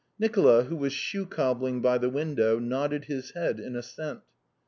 Nicola, who was shoe cobbling by the window, nodded his head in assent.